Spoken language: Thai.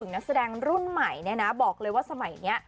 นักแสดงรุ่นใหม่เนี่ยนะบอกเลยว่าสมัยนี้